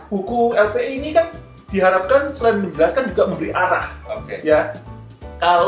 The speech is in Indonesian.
buku lpi ini kan diharapkan selain menjelaskan juga memberi arah